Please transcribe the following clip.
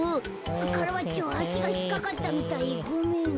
カラバッチョあしがひっかかったみたいごめん。